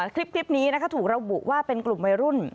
คลิปนี้นะคะถูกระบุว่าเป็นกลุ่มวัยรุ่น